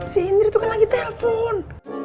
si indir itu kan lagi telpon